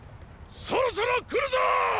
そろそろ来るぞーっ！